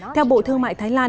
theo bộ thương mại thái lan